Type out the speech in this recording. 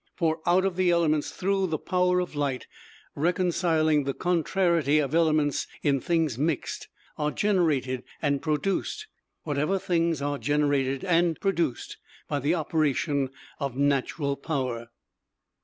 For out of the elements, through the power of light, reconciling the contrariety of elements in things mixed, are generated and produced whatever things are generated and produced by the operation of natural power.